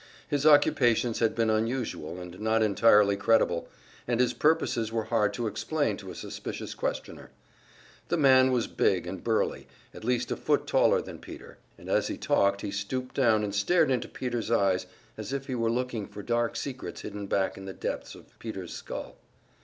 His occupations had been unusual, and not entirely credible, and his purposes were hard to explain to a suspicious questioner. The man was big and burly, at least a foot taller than Peter, and as he talked he stooped down and stared into Peter's eyes as if he were looking for dark secrets hidden back in the depths of Peter's skull.